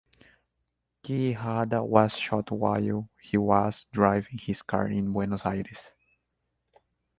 Quijada was shot while he was driving his car in Buenos Aires.